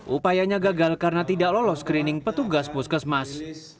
upayanya gagal karena tidak lolos screening petugas puskesmas